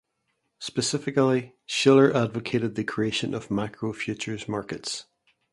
Specifically, Shiller advocated for the creation of macro futures markets.